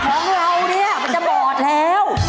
นี่ตาของเรานี่มันจะบอดแล้ว